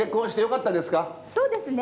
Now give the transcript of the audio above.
そうですね。